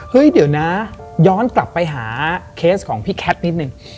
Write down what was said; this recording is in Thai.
เฮ้ยเดี๋ยวนะย้อนกลับไปหาเคสของพี่แคทนิดนึง